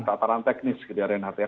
tataran teknis kira kira yang artinya